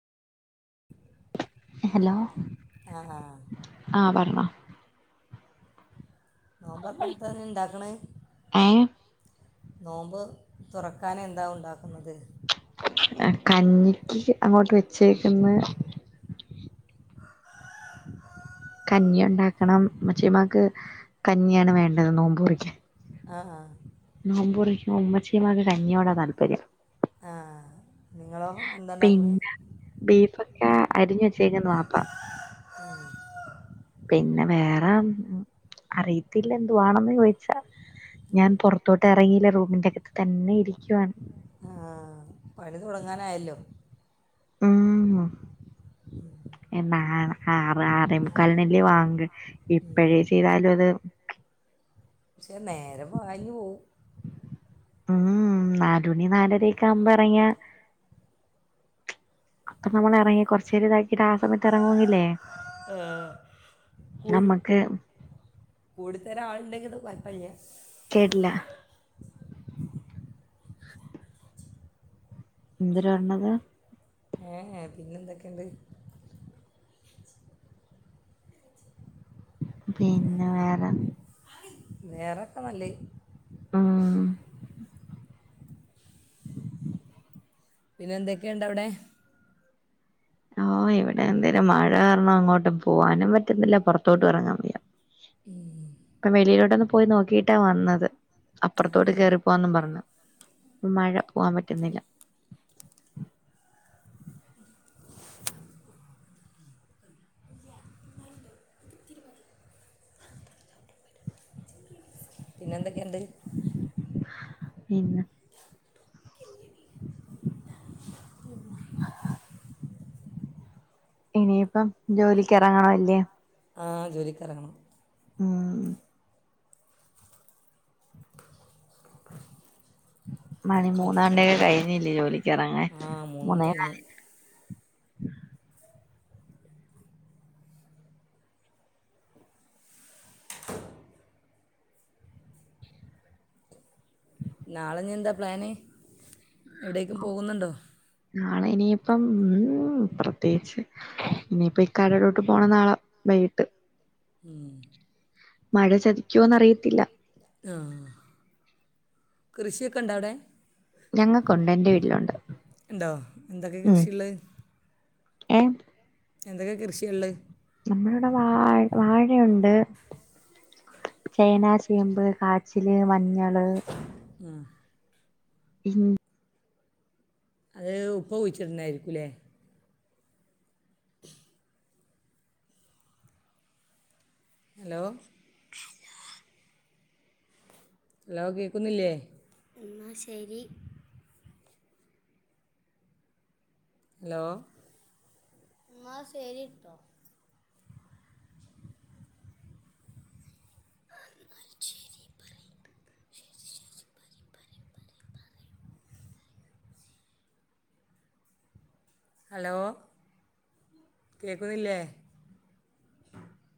Hello ആ അ ആ ആ പറഞ്ഞോ നോമ്പർക്കനത്തഞ്ഞ് ണ്ടാക്ക്ണേ ഏഹ് നോമ്പ് തുറക്കാന എന്താ ഉണ്ടാക്കുന്നത് കഞ്ഞിക്ക് അങ്ങോട്ട് വെച്ചേക്കുന്ന് [unintelligible] കഞ്ഞി ഉണ്ടാക്കണം മച്ചിമ്മാക്ക് കഞ്ഞിയാണ് വേണ്ടത് നോമ്പൂറിക്കാൻ ആ ആ നോമ്പുറിക്കാൻ ഉമ്മച്ചിയുമാക്ക് കഞ്ഞിയോട താല്പര്യം ആ നിങ്ങളോ എന്താ ഉണ്ടാക്കണത് പിന്ന ബീഫ് അരിഞ്ഞ [unintelligible] ന്ന് മാപ്പാം [unintelligible] പിന്നെ വേറെ അറിയത്തില്ല എന്തുവാണെന്ന് ചോദിച്ചാ ഞാൻ പുറത്തോട്ട് ഇറങ്ങില്ല റൂമിന്റെകത്ത് തന്നെ ഇരിക്കും വാ ആഹ പണി തുടങ്ങാനായല്ലോ ഉം ആറ് ആറ മുുക്കാലിനല്ലേ വാങ്ക് ഇപ്പഴേ ചെയ്താലും അത് പക്ഷെ നേരെ വാഞ്ഞു പോവും ഉം നാലുണി നാലരക്ക ആവുമ്പോ ഇറങ്ങിയ അപ്പൊ നമ്മൾ ഇറങ്ങിയ കൊറച്ചര് ഇത ആസമത്ത് ഇറങ്ങുമങ്കില്ലേ കൂടി നമ്മക്ക് ഫയ [unintelligible] കേട്ടില്ല എന്രു പറണത് [unintelligible] ഏ പിന്നെ എന്തൊക്കെയുണ്ട് [unintelligible] പിന്നെ വേറെ വേറെൊക്കെ നല്ലേ ആഹ ഉ [unintelligible] പിന്നെ എന്തൊക്കെയുണ്ട് അവിടെ ഓ ഇവിടെ എന്തേിലും മഴ കാരണം അങ്ങോട്ടും പോവാനും പറ്റുന്നില്ല പുറത്തോട്ട് ഇറങ്ങാൻ വയ്യ അപ്പ വെളിയിലോട്ടുങ് പോയി നോക്കിട്ടാ വന്നത് അപ്പുറത്തോട്ട കയറിപ്പോവാന്നും പറഞ്ഞു മഴ പോകാൻ പറ്റുന്നില്ല പിന്നെ എന്തൊക്കെയുണ്ട് പിന്ന ഉ ഇനിയിപ്പം ജോലിക്ക് ഇറങ്ങണ അല്ലേ ആ ജോലിക്കാരാണ് ആഹ മണി കളിച്ചു മൂന്നാണ്ടൊക്കെ കഴിഞ്ഞില്ലേ ജോലിക്ക് ഇറങ്ങ ആ മൂന്ന് മണി മൂന്നേ കഴിഞ്ഞ് ഉ [unintelligible] നാളെ എന്താ പ്ലാന് എവിടേക്കും പോകുന്നുണ്ടോ നാളെ ഇനിയിപ്പം ഉം പ്രത്യേകിച്ച് ഇനിയിപ്പ ഈ കടടോട്ട് പോണ നാളാ വൈകട്ട് ഉ [unintelligible] മഴ ചതി ആഹ് കൃഷിയൊക്കെ ഉണ്ടോ അവിടെ ഞങ്ങക്കുണ്ട് എന്റെ വീട്ടിലുണ്ട് ഇണ്ടോ എന്തൊക്കെ കൃഷിയാ ള്ളേ? ഏഹ് എന്തൊക്കെ കൃഷിയാ ഒള്ളേ? നമ്മളിവിടെ വാ വാഴയൊണ്ട് ചേന ചേമ്പ് കാച്ചില് മഞ്ഞള് ഉം ഉം അത് ഉപ്പ കുഴിച്ചിട്ടുണ്ടായിരിക്കും ല്ലേ? ഹലോ ഹലോ കേക്കുന്നില്ലേ എന്നാ ശെരി ഹലോ എന്നാ ശരീട്ടോ [unintelligible] ഹലോ കേക്കുന്നില്ലേ